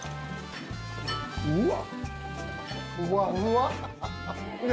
うわ！